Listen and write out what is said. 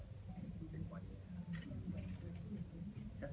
เพราะว่าการหนังงานมันเป็นเรื่องที่แบบละเอียดอ่อนมาก